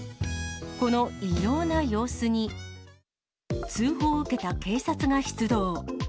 この異様な様子に、通報を受けた警察が出動。